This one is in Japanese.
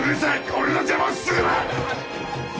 俺の邪魔をするな！